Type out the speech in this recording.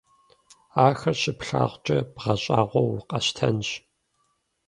Ахэр щыплъагъукӀэ бгъэщӀагъуэу укъэщтэнщ!